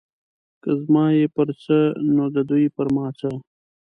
که زما یې پر څه نو د دوی پر ما څه.